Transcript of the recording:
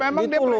ya memang dia